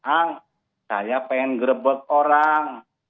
ah saya pengen grebek orang